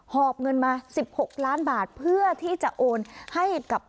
อบเงินมา๑๖ล้านบาทเพื่อที่จะโอนให้กับ